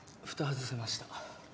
ふた外せました。